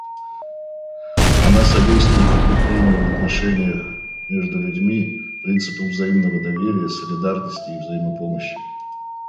Она содействует укреплению в отношениях между людьми принципов взаимного доверия, солидарности и взаимопомощи.